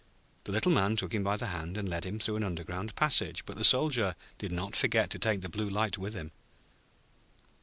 The Little Man took him by the hand, and led him through an underground passage; but the Soldier did not forget to take the Blue Light with him.